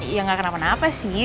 ya gak kenapa napa sih